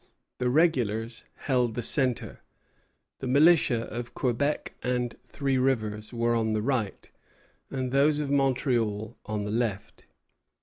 The regulars held the centre; the militia of Quebec and Three Rivers were on the right, and those of Montreal on the left.